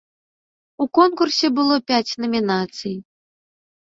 У конкурсе было пяць намінацый.